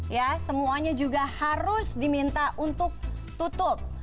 ya semuanya juga harus diminta untuk tutup